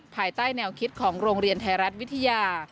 ภายใต้แนวคิดของโรงเรียนไทยรัฐวิทยา